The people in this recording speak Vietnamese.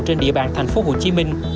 trên địa bàn tp hcm